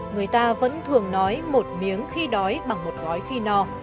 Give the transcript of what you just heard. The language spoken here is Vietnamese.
người ta vẫn thường nói một miếng khi đói bằng một gói khi no